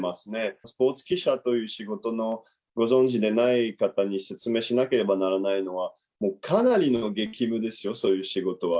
スポーツ記者という仕事をご存じでない方に説明しなければならないのは、もうかなりの激務ですよ、そういう仕事は。